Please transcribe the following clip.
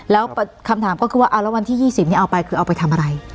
แล้วคำถามก็คือว่าเอาแล้ววันที่๒๐นี้เอาไปคือเอาไปทำอะไร